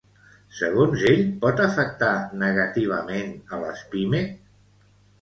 Segons ell, pot afectar negativament a les Pime?